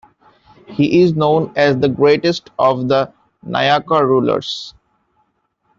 He is known as dthe greatest of the Nayaka rulers.